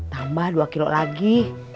tambah dua kilo lagi